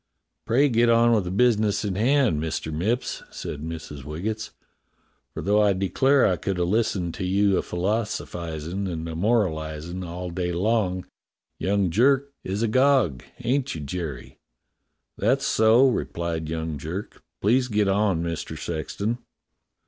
"Pray get on with the business in hand, Mister IVIipps," said Mrs. Waggetts, "for though I declare I could a listen to you a philosphizin' and a moralizin' all day long, young Jerk is all agog. Ain't you, Jerry .'^" "That's so," replied young Jerk. "Please get on, Mister Sexton."